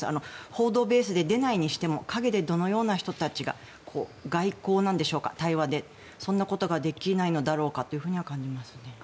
報道ベースに出ないにしても陰でどのような人が外交なんでしょうか、対話でそんなことができないのかと感じますね。